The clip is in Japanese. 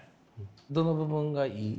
どの部分がいい？